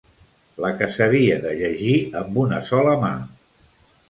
La que s'havia de llegir amb una sola mà!